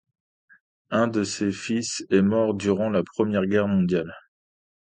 Un de ses fils est mort durant la Première Guerre mondiale.